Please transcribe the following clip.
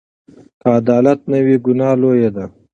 که عدالت نه وي، ګناه لویه ده.